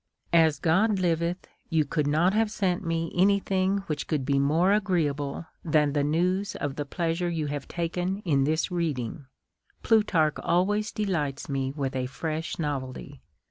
As God liveth, you could not have sent me any thing which could be more agreeable than the news of the pleasure you have taken in this reading. Plutarch always delights me with a fresh novelty.